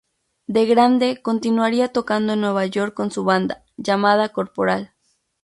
De grande, continuaría tocando en Nueva York con su banda, llamada Corporal.